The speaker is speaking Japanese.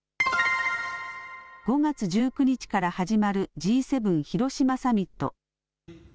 ５月１９日から始まるＧ７広島サミット。